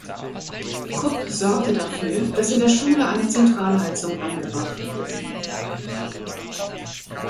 Krupp sorgte dafür, dass in der Schule eine Zentralheizung eingebaut wurde.